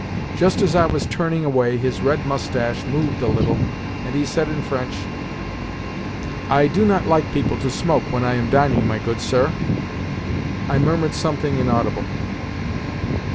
Just as I was turning away his red moustache moved a little, and he said in French: "I do not like people to smoke when I am dining, my good sir." I murmured something inaudible.